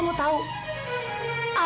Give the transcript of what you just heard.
buat nita juga